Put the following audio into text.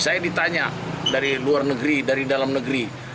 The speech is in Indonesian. saya ditanya dari luar negeri dari dalam negeri